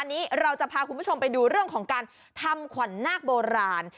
อันนี้เราจะพาคุณผู้ชมไปดูเรื่องของการทำขวัญนาคโบราณ